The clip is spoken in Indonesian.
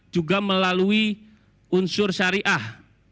juga melalui unsur syariah